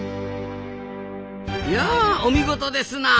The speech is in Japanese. いやお見事ですなあ！